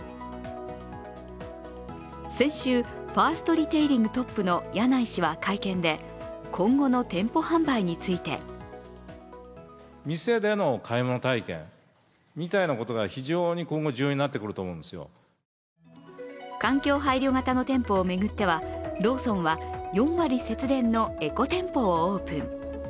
先週、ファーストリテイリングトップの柳井氏は会見で今後の店舗販売について環境配慮型の店舗を巡ってはローソンは４割節電のエコ店舗をオープン。